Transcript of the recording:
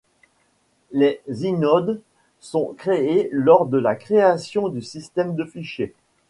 Les inodes sont créés lors de la création du système de fichiers.